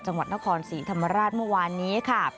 จังหวัดนครศรีธรรมราชเมื่อวานนี้ค่ะ